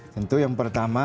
tentu yang pertama